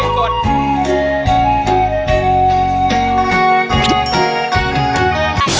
เพลงนี้อยู่ในอาราบัมชุดแรกของคุณแจ็คเลยนะครับ